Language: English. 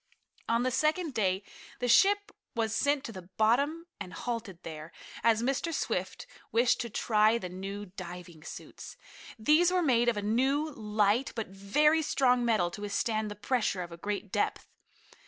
On the second day the ship was sent to the bottom and halted there, as Mr. Swift wished to try the new diving suits. These were made of a new, light, but very strong metal to withstand the pressure of a great depth.